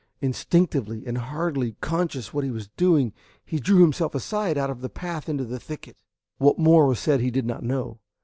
Instinctively, and hardly conscious what he was doing, he drew himself aside out of the path into the thicket. What more was said, he did not know.